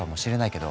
けど。